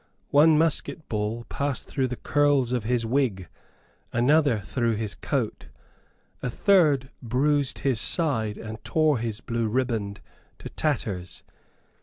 One musket ball passed through the curls of his wig, another through his coat; a third bruised his side and tore his blue riband to tatters.